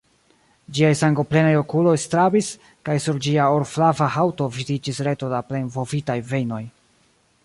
Ĝiaj sangoplenaj okuloj strabis, kaj sur ĝia orflava haŭto vidiĝis reto da plenblovitaj vejnoj.